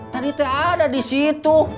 tadi tak ada disitu